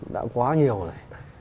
đã quá nhiều rồi